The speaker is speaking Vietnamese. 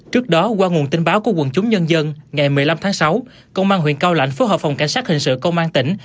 trước đó qua nguồn tin báo của quần chúng nhân dân ngày một mươi năm tháng sáu công an huyện cao lãnh phối hợp phòng cảnh sát hình sự công an tỉnh